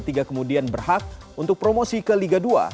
tiga kemudian berhak untuk promosi ke liga dua